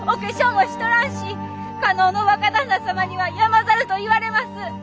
もしとらんし加納の若旦那様には山猿と言われます。